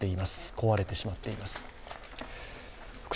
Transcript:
壊れてしまっています。